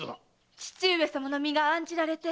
義父上様の身が案じられて。